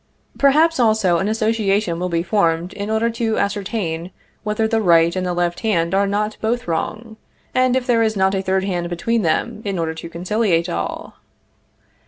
Perhaps, also, an association will be formed in order to ascertain whether the right and the left hand are not both wrong, and if there is not a third hand between them, in order to conciliate all.